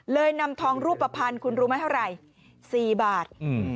นำทองรูปภัณฑ์คุณรู้ไหมเท่าไหร่๔บาท